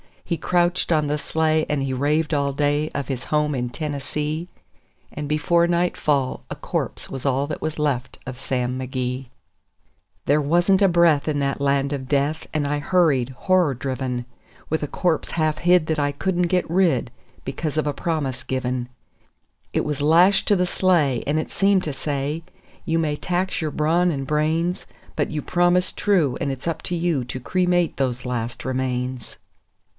He crouched on the sleigh, and he raved all day of his home in Tennessee; And before nightfall a corpse was all that was left of Sam McGee. There wasn't a breath in that land of death, and I hurried, horror driven, With a corpse half hid that I couldn't get rid, because of a promise given; It was lashed to the sleigh, and it seemed to say: "You may tax your brawn and brains, But you promised true, and it's up to you to cremate those last remains."